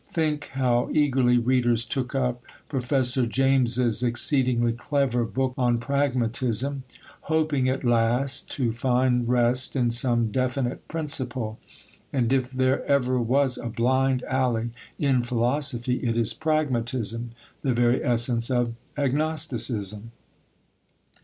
Think how eagerly readers took up Professor James's exceedingly clever book on Pragmatism, hoping at last to find rest in some definite principle. And if there ever was a blind alley in philosophy, it is Pragmatism the very essence of agnosticism.